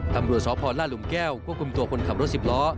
ตำรวจสพลาดหลุมแก้วควบคุมตัวคนขับรถสิบล้อ